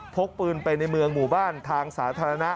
พกปืนไปในเมืองหมู่บ้านทางสาธารณะ